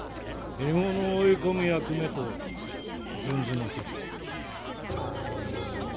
獲物を追い込む役目と存じまする。